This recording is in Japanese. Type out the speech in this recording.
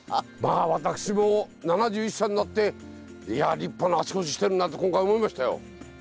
私も７１歳になって立派な足腰してんなと今回思いましたよ。